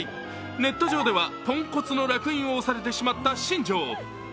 ネット上では、ポンコツの烙印を押されてしまった新庄。